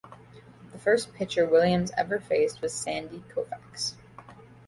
The first pitcher Williams ever faced was Sandy Koufax.